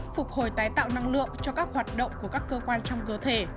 phục hồi tái tạo năng lượng cho các hoạt động của các cơ quan trong cơ thể